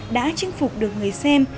đã chinh phục được người xem